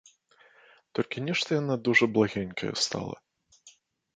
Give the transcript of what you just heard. Толькі нешта яна дужа благенькая стала.